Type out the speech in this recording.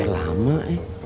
ih terlama eh